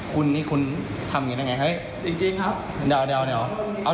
คุณจ๊ะเปิดครับ